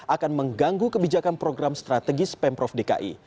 akan mengganggu kebijakan program strategis pemprov dki